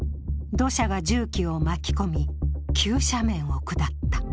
土砂が重機を巻き込み急斜面を下った。